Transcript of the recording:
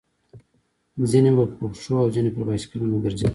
ځينې به په پښو او ځينې پر بایسکلونو ګرځېدل.